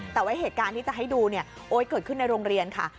แต่ว่าเหตุการณ์ที่จะให้ดูเนี่ยโอ๊ยเกิดขึ้นในโรงเรียนค่ะ